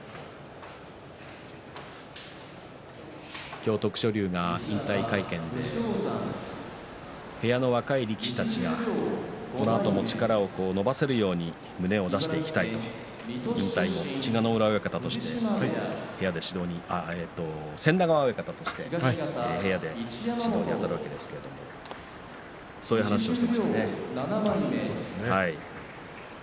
今日、徳勝龍が引退会見で部屋の若い力士たちがこのあとも力を伸ばせるように胸を出していきたいと引退後、千田川親方として部屋で指導にあたるわけですがそういう話をしていました。